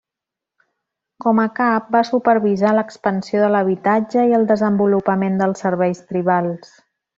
Com a cap va supervisar l'expansió de l'habitatge i el desenvolupament dels serveis tribals.